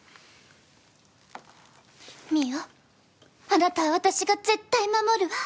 澪あなたは私が絶対守るわ。